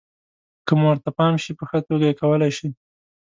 که مو ورته پام شي، په ښه توګه یې کولای شئ.